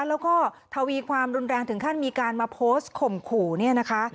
แล้วก็ทวีความรุนแรงถึงขั้นมีการมาโพสต์ข่มขู่เนี่ยนะคะ